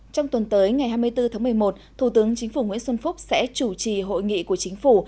trong tuần tới ngày hai mươi bốn tháng một mươi một thủ tướng chính phủ nguyễn xuân phúc sẽ chủ trì hội nghị của chính phủ